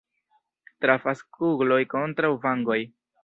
Trafas kugloj kontraŭ vangoj.